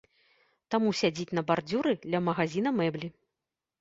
Таму сядзіць на бардзюры ля магазіна мэблі.